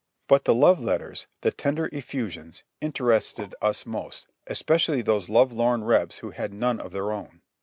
But the love letters, the tender effusions, interested us most, especially those love lorn Rebs who had none of their own.